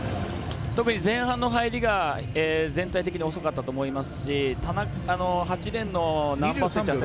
特に前半の入りが全体的に遅かったと思いますし８レーンの。